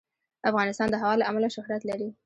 افغانستان د هوا له امله شهرت لري.